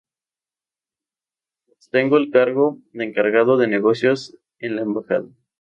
Ostentó el cargo de encargado de negocios en la embajada.